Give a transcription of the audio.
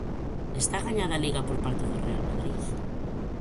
Está gañada a Liga por parte do Real Madrid?